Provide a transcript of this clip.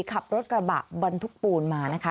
ขับรถกระบะบรรทุกปูนมานะคะ